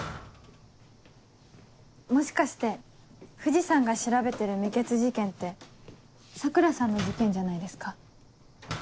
もしかして藤さんが調べてる未決事件って桜さんの事件じゃないですか？